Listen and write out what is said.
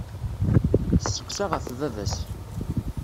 Tesseqsa ɣef baba-s.